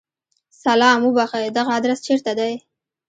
سلام! اوبښئ! دغه ادرس چیرته دی؟